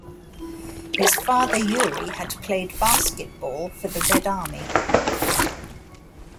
His father Yury had played basketball for the Red Army.